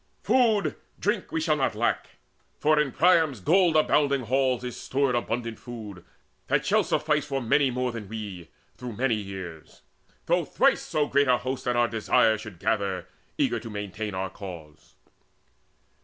Food, drink, we shall not lack, For in King Priam's gold abounding halls Is stored abundant food, that shall suffice For many more than we, through many years, Though thrice so great a host at our desire Should gather, eager to maintain our cause."